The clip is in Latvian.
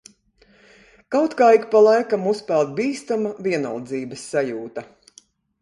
Kaut kā ik pa laikam uzpeld bīstama vienaldzības sajūta...